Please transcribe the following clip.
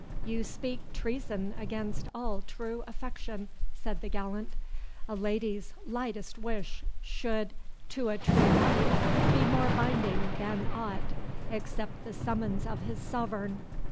"You speak treason against all true affection," said the gallant; "a lady's lightest wish should to a true knight be more binding than aught excepting the summons of his sovereign.